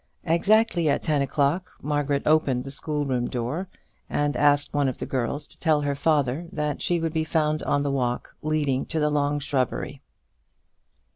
Exactly at ten o'clock, Margaret opened the schoolroom door, and asked one of the girls to tell her father that she would be found on the walk leading to the long shrubbery.